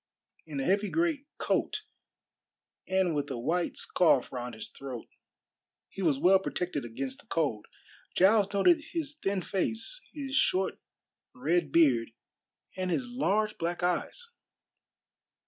In a heavy great coat and with a white scarf round his throat, he was well protected against the cold. Giles noted his thin face, his short red beard, and his large black eyes.